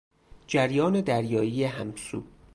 جریان دریایی همسو